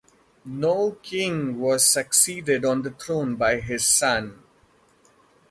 No king was succeeded on the throne by his son.